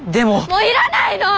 もういらないの！